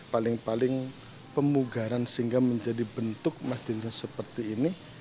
paling paling pemugaran sehingga menjadi bentuk masjid seperti ini